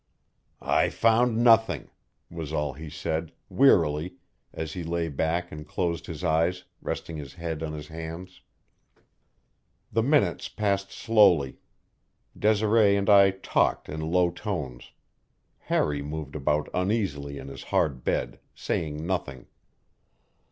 "I found nothing," was all he said, wearily, and he lay back and closed his eyes, resting his head on his hands. The minutes passed slowly. Desiree and I talked in low tones; Harry moved about uneasily on his hard bed, saying nothing.